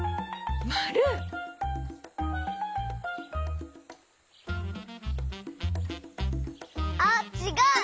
まる！あっちがう！